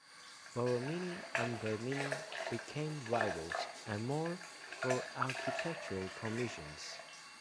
Borromini and Bernini became rivals, and more, for architectural commissions.